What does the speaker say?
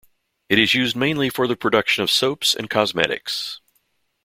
It is used mainly for the production of soaps and cosmetics.